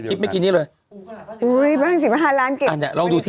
เมื่อกี้นี้เลยอุ้ยบ้านสิบห้าล้านเก่งอันเนี้ยลองดูสิ